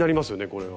これは。